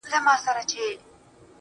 زما هره نغمه د پښتو د عظمت پیغام رسوي